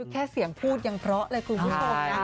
แค่เสียงพูดยังเพราะเลยคุณผู้ชมนะ